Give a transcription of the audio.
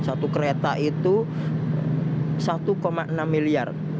satu kereta itu satu enam miliar